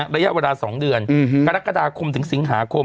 ระยะเวลา๒เดือนกรกฎาคมถึงสิงหาคม